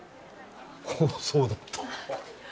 おおそうだった。